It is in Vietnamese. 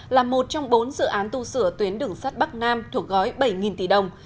là một trong bốn dự án tu sửa tuyến đường sắt bắc nam thuộc gói bảy tỷ đồng